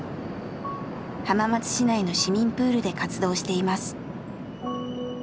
浜松市内の市民プールで活動しています。